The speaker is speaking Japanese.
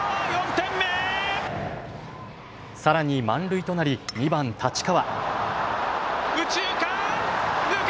さらに満塁となり２番・太刀川。